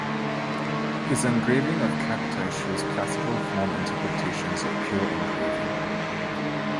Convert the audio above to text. His engraving of cacti shows classical form interpretations of pure engraving.